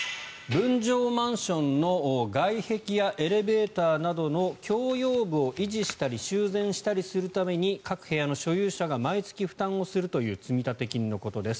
分譲マンションの外壁やエレベーターなどの共用部を維持したり修繕したりするために各部屋の所有者が毎月負担をするという積立金のことです。